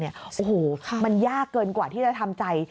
โอ้โหมันยากเกินกว่าที่จะทำใจ